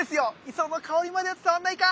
磯の香りまでは伝わんないか。